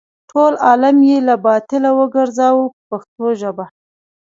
ټول عالم یې له باطله وګرځاوه په پښتو ژبه.